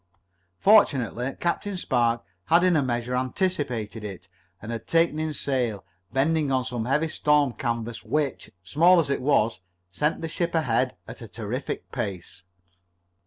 Fortunately Captain Spark had in a measure anticipated it, and had taken in sail, bending on some heavy storm canvas which, small as it was, sent the ship ahead at a terrific pace.